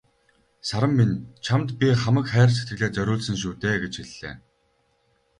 "Саран минь чамд би хамаг хайр сэтгэлээ зориулсан шүү дээ" гэж хэллээ.